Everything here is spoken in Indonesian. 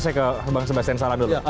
saya ke bang sebastian salang dulu